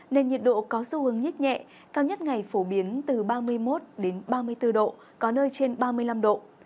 nên nhiệt độ có xu hướng nhít nhẹ cao nhất ngày phổ biến từ ba mươi một ba mươi bốn độ có nơi trên ba mươi năm độ